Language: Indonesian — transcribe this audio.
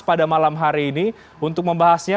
pada malam hari ini untuk membahasnya